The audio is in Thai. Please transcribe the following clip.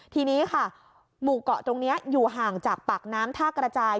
ทีนี้ค่ะหมู่เกาะตรงนี้อยู่ห่างจากปากน้ำท่ากระจาย